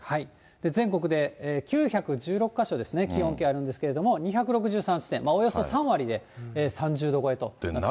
全国で９１６か所ですね、気温計あるんですけども、２６３地点、およそ３割で３０度超えとなっています。